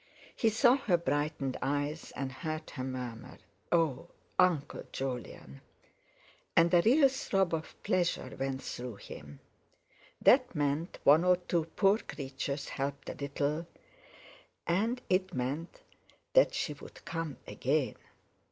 He saw her brightened eyes, and heard her murmur: "Oh! Uncle Jolyon!" and a real throb of pleasure went through him. That meant one or two poor creatures helped a little, and it meant that she would come again.